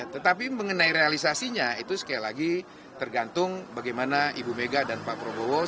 tetapi mengenai realisasinya itu sekali lagi tergantung bagaimana ibu mega dan pak prabowo